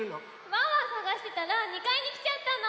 ワンワンさがしてたら２かいにきちゃったの。